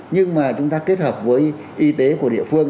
nhưng mà chúng ta kết hợp với y tế của địa phương